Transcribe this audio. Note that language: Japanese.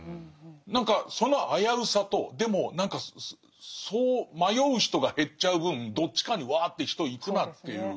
何かその危うさとでもそう迷う人が減っちゃう分どっちかにワーッと人行くなっていう。